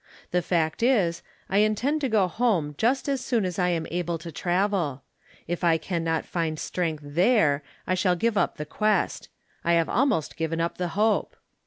The fact is, I intend to go home just as soon as I am able to travel. If I can not find strength there I shall give up the quest — I have almost given up the hope.